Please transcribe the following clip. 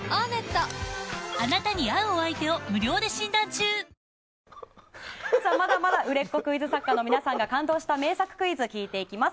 ちなみに、その水野さんがまだまだ売れっ子クイズ作家の皆さんが感動した名作クイズを聞いていきます。